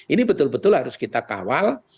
ini betul betul harus kita kawal